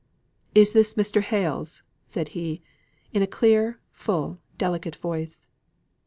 "Is this Mr. Hale's?" said he, in a clear, full, delicate voice.